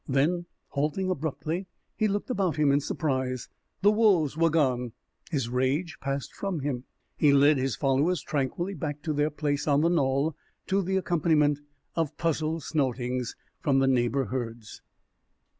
Then, halting abruptly, he looked about him in surprise. The wolves were gone. His rage passed from him. He led his followers tranquilly back to their place on the knoll, to the accompaniment of puzzled snortings from the neighbor herds.